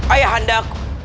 ayah anda aku